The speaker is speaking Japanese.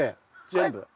全部？